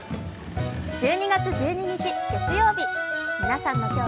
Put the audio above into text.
１２月１２日月曜日。